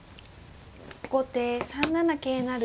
後手３七桂成。